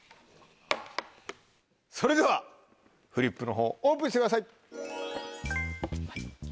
それではフリップの方オープンしてください。